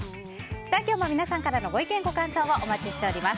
今日も皆様からのご意見ご感想をお待ちしています。